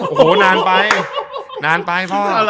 โอ้โหนานไป